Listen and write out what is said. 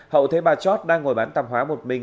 hậu thấy bà chót đang ngồi bán tạp hóa một mình